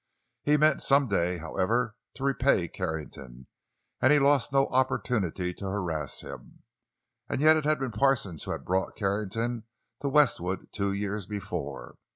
He meant some day, however, to repay Carrington, and he lost no opportunity to harass him. And yet it had been Parsons who had brought Carrington to Westwood two years before.